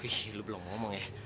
wih lo belum ngomong ya